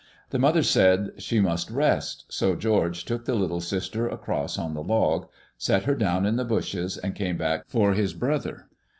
The mother said she must rest; so George took the little sister across on the log, set her down in the bushes, and came back for his brother.